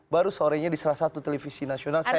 baru sorenya di salah satu televisi nasional saya hadir